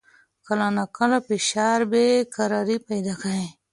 کله ناکله فشار بې قراري پیدا کوي.